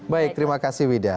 baik terima kasih wida